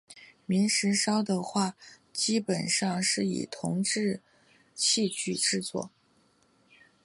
明石烧的话基本上是以铜制器具制作。